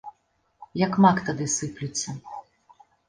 Як мак тады сыплюцца.